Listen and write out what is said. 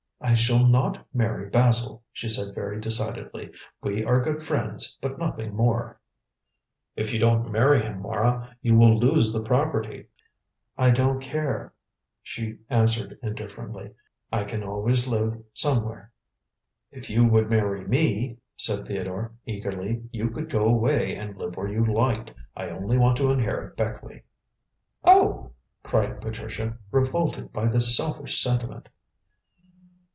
"I shall not marry Basil," she said very decidedly. "We are good friends, but nothing more." "If you don't marry him, Mara, you will lose the property." "I don't care," she answered indifferently. "I can always live somewhere." "If you would marry me," said Theodore eagerly, "you could go away and live where you liked. I only want to inherit Beckleigh." "Oh!" cried Patricia, revolted by this selfish sentiment.